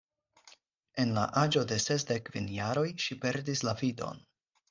En la aĝo de sesdek kvin jaroj ŝi perdis la vidon.